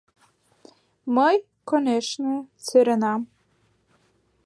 Мый, конешне, сӧренам